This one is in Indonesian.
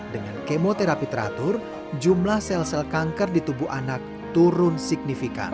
dengan kemoterapi teratur jumlah sel sel kanker di tubuh anak turun signifikan